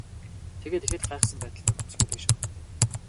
Тэгээд ихэд гайхсан байдалтай хөмсгөө дээш өргөв.